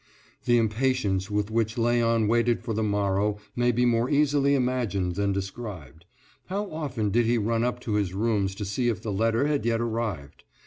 III The impatience with which Léon waited for the morrow may be more easily imagined than described. How often did he run up to his rooms to see if the letter had yet arrived!